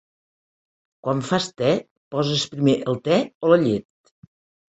Quan fas te, poses primer el te o la llet?